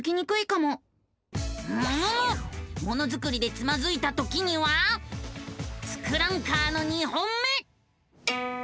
ものづくりでつまずいたときには「ツクランカー」の２本目！